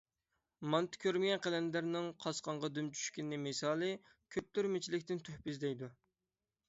مانتا كۆرمىگەن قەلەندەرنىڭ قاسقانغا دۈم چۈشكىنى مىسالى كۆپتۈرمىچىلىكتىن تۆھپە ئىزدەيدۇ.